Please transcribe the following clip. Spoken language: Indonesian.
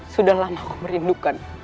sudah lama aku merindukan